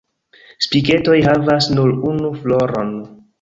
Spiketoj havas nur unu floron.